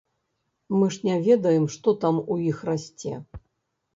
Мы ж не ведаем, што там у іх расце.